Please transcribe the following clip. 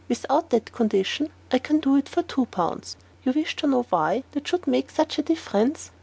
Without that condition, I can do it for two pounds. You wish to know why that should make such a difference.